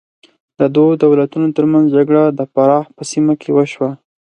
د دوو دولتونو تر منځ جګړه د فراه په سیمه کې وشوه.